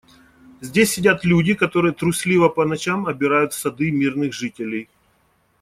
Здесь сидят люди, которые трусливо по ночам обирают сады мирных жителей.